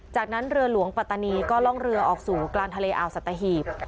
จากนั้นเรือหลวงปัตตานีก็ล่องเรือออกสู่กลางทะเลอ่าวสัตหีบ